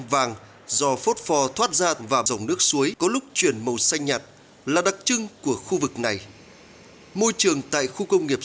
văn hùng tỉnh đắk nông